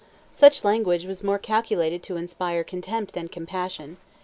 '" Such language was more calculated to inspire contempt than compassion.